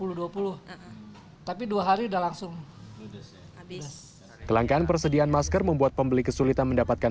juga langsung habis kelangkaan persediaan masker membuat pembeli kesulitan mendapatkan